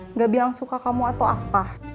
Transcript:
nggak bilang suka kamu atau apa